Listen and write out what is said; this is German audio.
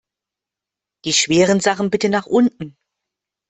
Die schweren Sachen bitte nach unten!